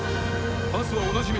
まずはおなじみ